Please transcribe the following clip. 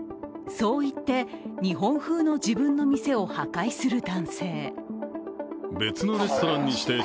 そういって、日本風の自分の店を破壊する男性。